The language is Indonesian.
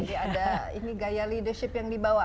jadi ada gaya leadership yang dibawa